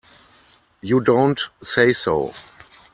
You don't say so!